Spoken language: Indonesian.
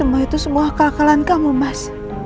jadi itu semua kelelahan kamu mas